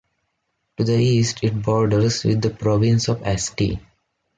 To the east it borders with the province of Asti.